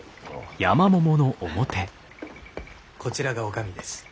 こちらが女将です。